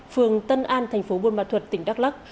phường tân an tp buôn mạc thuật tỉnh đắk lắc